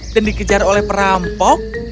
dan dikejar oleh perampok